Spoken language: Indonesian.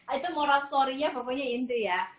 itu moral story nya pokoknya itu ya